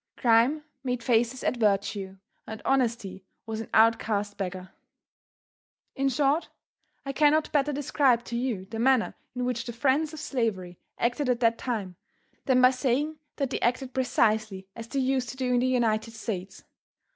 Crime made faces at virtue, and honesty was an outcast beggar. In short, I cannot better describe to you the manner in which the friends of slavery acted at that time, than by saying that they acted precisely as they used to do in the United States.